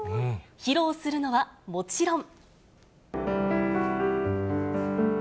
披露するのはもちろん。